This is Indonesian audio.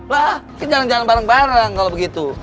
lah kita jalan bareng bareng kalo begitu